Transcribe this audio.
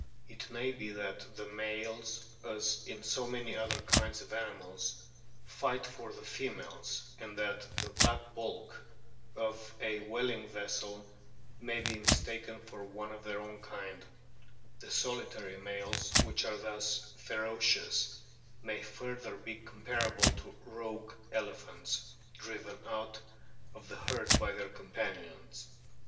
It may be that the males, as in so many other kinds of animals, fight for the females, and that the black bulk of a whaling vessel may be mistaken for one of their own kind ; the solitary males which are thus ferocious may further be comparable to " rogue " elephants driven out of the herd by their companions.